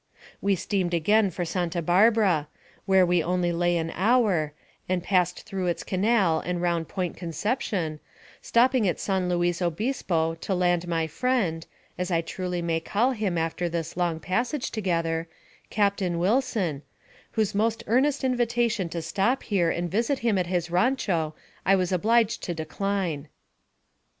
We steamed again for Santa Barbara, where we only lay an hour, and passed through its canal and round Point Conception, stopping at San Luis Obispo to land my friend, as I may truly call him after this long passage together, Captain Wilson, whose most earnest invitation to stop here and visit him at his rancho I was obliged to decline.